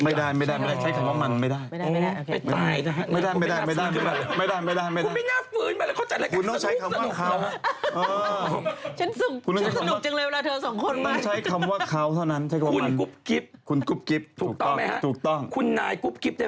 ไม่ได้ใช้คำว่ามันไม่ได้